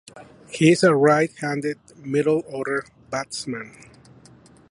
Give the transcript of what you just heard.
He is a right-handed middle-order batsman.